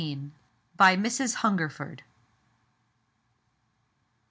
BY MRS. HUNGERFORD.